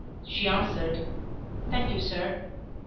She answered, "Thank you, sir."